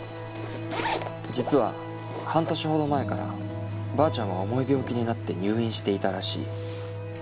実は半年前ほどからばあちゃんは重い病気になって入院していたらしい。